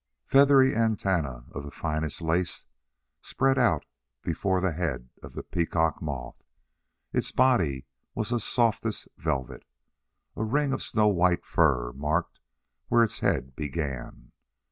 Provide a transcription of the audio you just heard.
Feathery antennae of the finest lace spread out before the head of the peacock moth; its body was of softest velvet. A ring of snow white fur marked where its head began.